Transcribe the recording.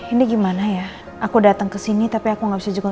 ini gimana ya aku datang ke sini tapi aku nggak bisa jemput elsa